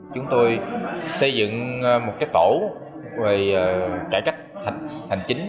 chúng tôi xây dựng một tổ về cải cách hành chính